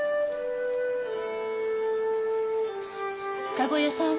駕籠屋さん。